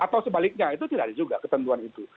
atau sebaliknya itu tidak ada juga ketentuan itu